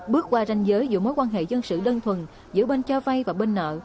bước qua ranh giới giữa mối quan hệ dân sự đơn thuần giữa bên cho vay và bên nợ